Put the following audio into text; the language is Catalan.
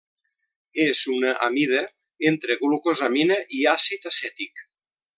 És una amida entre glucosamina i àcid acètic.